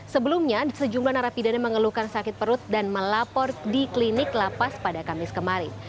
sebelumnya sejumlah narapidana mengeluhkan sakit perut dan melapor di klinik lapas pada kamis kemarin